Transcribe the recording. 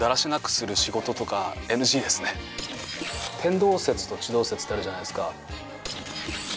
天動説と地動説ってあるじゃないですか。